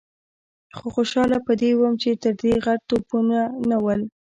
خو خوشاله په دې وم چې تر دې غټ توپونه نه ول.